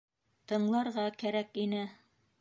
Тыңларға кәрәк ине.